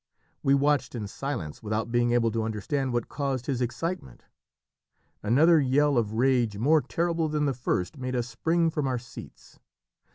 We watched in silence without being able to understand what caused his excitement. Another yell of rage more terrible than the first made us spring from our seats.